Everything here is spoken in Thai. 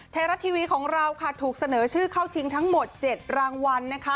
ไทยรัฐทีวีของเราค่ะถูกเสนอชื่อเข้าชิงทั้งหมด๗รางวัลนะคะ